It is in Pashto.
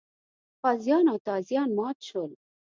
غازیان او تازیان مات شول.